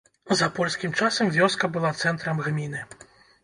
За польскім часам вёска была цэнтрам гміны.